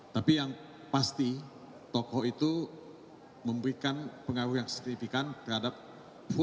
tapi yang pasti tokoh itu memberikan pengaruh yang signifikan terhadap foto